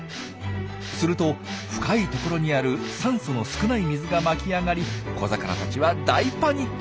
すると深いところにある酸素の少ない水が巻き上がり小魚たちは大パニック！